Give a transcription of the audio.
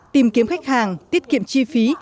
tìm kiếm khách hàng tiết kiệm chi phí